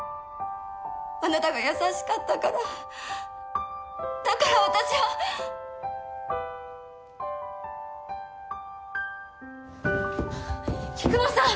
あなたが優しかったからだから私は菊乃さん！